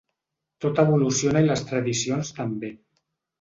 Tot evoluciona i les tradicions també.